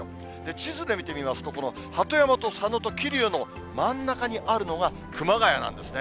地図で見てみますと、この鳩山と佐野と桐生の真ん中にあるのが熊谷なんですね。